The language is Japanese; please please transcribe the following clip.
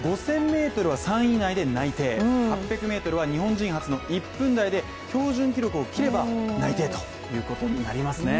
５０００ｍは３位以内で内定、８００ｍは日本人初の１分台で標準記録を切れば内定ということになりますね。